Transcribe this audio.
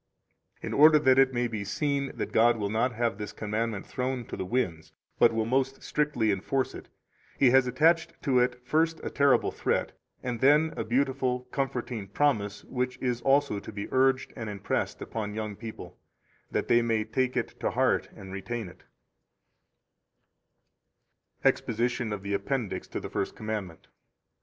29 In order that it may be seen that God will not have this commandment thrown to the winds, but will most strictly enforce it, He has attached to it first a terrible threat, and then a beautiful, comforting promise which is also to be urged and impressed upon young people, that they may take it to heart and retain it: [Exposition of the Appendix to the First Commandment.